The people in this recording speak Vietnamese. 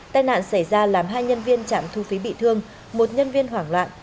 tai nạn xảy ra làm hai nhân viên trạm thu phí bị thương một nhân viên hoảng loạn